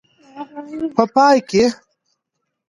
په پای کې.